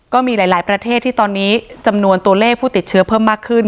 ก็มีหลายประเทศที่ตอนนี้จำนวนตัวเลขผู้ติดเชื้อเพิ่มมากขึ้น